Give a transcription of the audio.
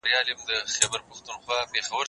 زه مخکي ليکنې کړي وو!؟